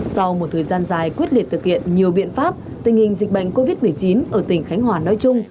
sau một thời gian dài quyết liệt thực hiện nhiều biện pháp tình hình dịch bệnh covid một mươi chín ở tỉnh khánh hòa nói chung